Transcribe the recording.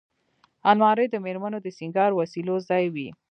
الماري د مېرمنو د سینګار وسیلو ځای وي